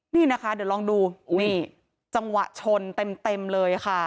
นี่นะคะเดี๋ยวลองดูนี่จังหวะชนเต็มเลยค่ะ